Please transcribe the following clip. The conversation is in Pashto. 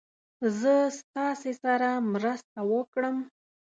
زه ستاسې سره مرسته وکړم.